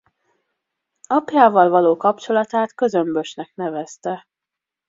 Apjával való kapcsolatát közömbösnek nevezte.